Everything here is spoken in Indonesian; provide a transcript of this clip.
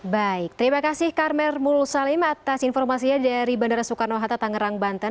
baik terima kasih karmel mulusalim atas informasinya dari bandara soekarno hatta tangerang banten